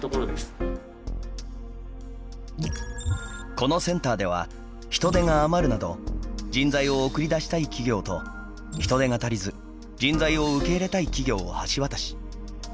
このセンターでは人手が余るなど人材を送り出したい企業と人手が足りず人材を受け入れたい企業を橋渡し。